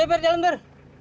oke per jalan per